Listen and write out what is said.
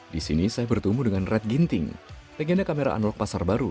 di sini saya bertemu dengan red ginting legenda kamera analog pasar baru